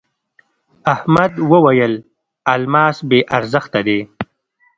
احمد وويل: الماس بې ارزښته دی.